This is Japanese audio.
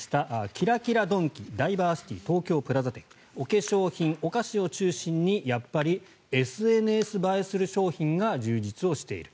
キラキラドンキダイバーシティ東京プラザ店お化粧品、お菓子を中心にやっぱりＳＮＳ映えする商品が充実している。